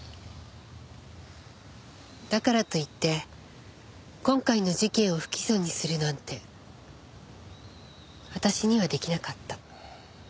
だからといって今回の事件を不起訴にするなんて私には出来なかった。